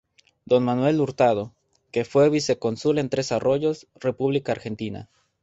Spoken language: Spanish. Don Manuel Hurtado, que fue vicecónsul en Tres Arroyos, República Argentina.